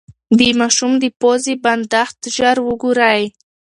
د ماشوم د پوزې بندښت ژر وګورئ.